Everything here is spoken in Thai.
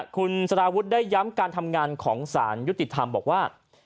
คุณสารวุฒิได้ย้ำการทำงานของสารยุติธรรมบอกว่า